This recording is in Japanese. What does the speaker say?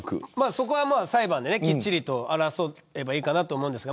そこは裁判できっちりと争えばいいかなと思うんですが